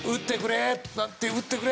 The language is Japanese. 打ってくれ！